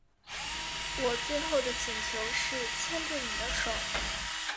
我最后的请求是牵着妳的手